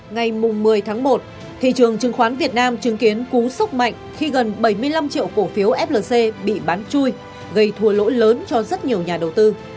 ngày một mươi tháng một thị trường chứng khoán việt nam chứng kiến cú sốc mạnh khi gần bảy mươi năm triệu cổ phiếu flc bị bán chui gây thùa lỗi lớn cho rất nhiều nhà đầu tư